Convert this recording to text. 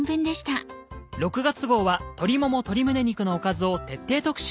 ６月号は鶏もも鶏胸肉のおかずを徹底特集。